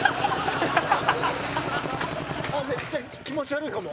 気持ち悪いかも。